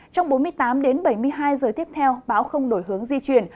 trong bốn mươi tám h đến bảy mươi hai h tiếp theo bão không đổi hướng di chuyển